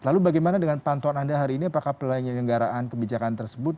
lalu bagaimana dengan pantuan anda hari ini apakah pelayanan negaraan kebijakan tersebut